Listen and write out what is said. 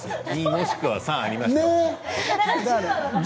もしくは３、ありましたよ。